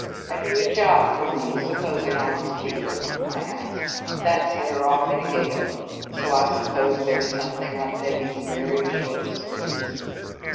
'Have you a job for me supposing I was Cupid?' I asked. That set her off in a gale. So I suppose there's something up Peggy's very short sleeves."